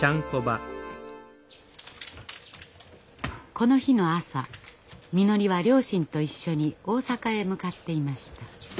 この日の朝みのりは両親と一緒に大阪へ向かっていました。